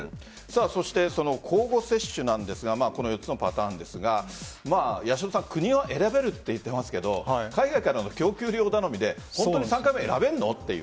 そして交互接種なんですがこの４つのパターンですが国は選べると言っていますが海外からの供給量頼みで本当に３回目、選べるの？という。